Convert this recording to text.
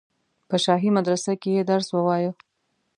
په شاهي مدرسه کې یې درس ووایه.